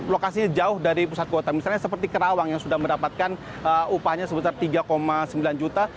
lokasinya jauh dari pusat kota misalnya seperti kerawang yang sudah mendapatkan upahnya sebesar tiga sembilan juta